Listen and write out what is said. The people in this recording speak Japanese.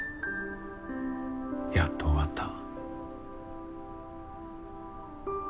やっと終わった。